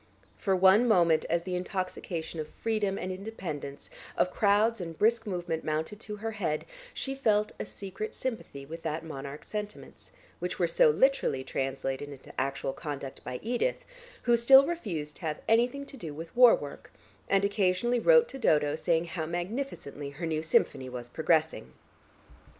For one moment, as the intoxication of freedom and independence, of crowds and brisk movement mounted to her head, she felt a secret sympathy with that monarch's sentiments, which were so literally translated into actual conduct by Edith who still refused to have anything to do with war work, and occasionally wrote to Dodo saying how magnificently her new symphony was progressing.